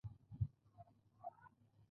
او موږ اړتیا نلرو چې مڼې او کیلې بدلې کړو